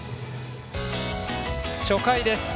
初回です。